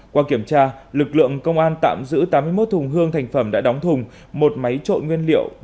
qua kiểm tra lực lượng công an tạm giữ tám mươi một thùng hương thành phẩm đã đóng thùng một máy trộn nguyên liệu